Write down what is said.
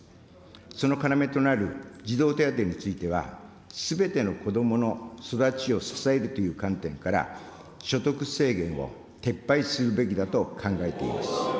その要となる児童手当については、すべての子どもの育ちを支えるという観点から、所得制限を撤廃するべきだと考えています。